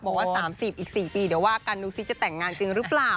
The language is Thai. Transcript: บอกว่า๓๐อีก๔ปีเดี๋ยวว่ากันดูซิจะแต่งงานจริงหรือเปล่า